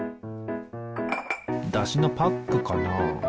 だしのパックかな？